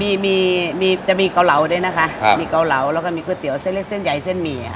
มีมีจะมีเกาเหลาด้วยนะคะมีเกาเหลาแล้วก็มีก๋วยเตี๋ยวเส้นเล็กเส้นใยเส้นหมี่ค่ะ